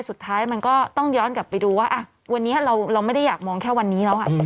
สุดท้ายมันก็ต้องย้อนกลับไปดูว่าวันนี้เราไม่ได้อยากมองแค่วันนี้แล้ว